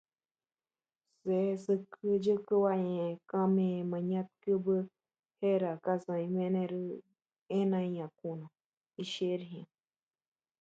dar a los ciudadanos solo tres meses para hacer sugerencias es insuficiente